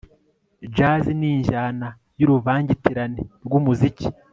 jazz ni injyana y'uruvangitirane rw'umuziki